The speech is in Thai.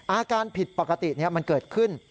อาการผิดปกติมันเกิดขึ้น